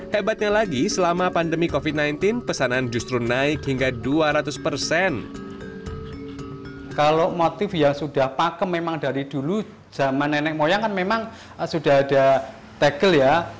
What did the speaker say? hebatnya lagi selama pewarna tegel akan berubah menjadi tegel